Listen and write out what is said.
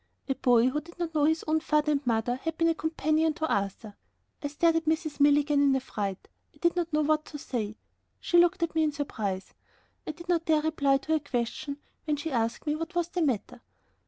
A boy who did not know his own father or mother had been a companion to Arthur! I stared at Mrs. Milligan in affright. I did not know what to say. She looked at me in surprise. I did not dare reply to her question when she asked me what was the matter.